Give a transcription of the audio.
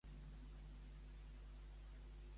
Com va quedar Lady Montrose?